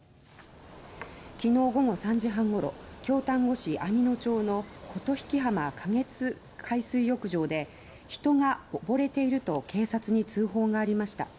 きのう午後３時半ごろ京丹後市網野町の琴引浜掛津海水浴場で人が溺れていると警察に通報がありました。